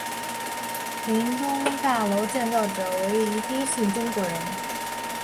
林东大楼建造者为一丁姓中国人。